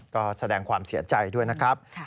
ก็แสดงความเสียใจด้วยนะครับ